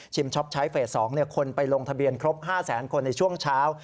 ช็อปใช้เฟส๒คนไปลงทะเบียนครบ๕แสนคนในช่วงเช้า